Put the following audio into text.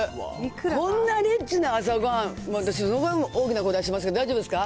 こんなリッチな朝ごはん、私、ものすごい大きな声出しますけど、大丈夫ですか？